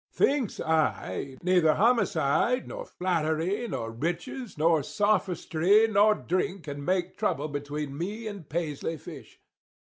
Thinks I, neither homocide nor flattery nor riches nor sophistry nor drink can make trouble between me and Paisley Fish.